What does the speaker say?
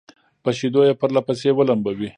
په شيدو يې پرله پسې ولمبوي